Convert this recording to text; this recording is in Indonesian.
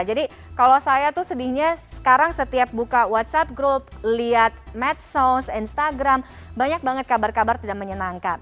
jadi kalau saya tuh sedihnya sekarang setiap buka whatsapp group lihat medsos instagram banyak banget kabar kabar tidak menyenangkan